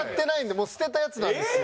もう捨てたやつなんですよ。